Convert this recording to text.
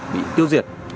bị tiêu diệt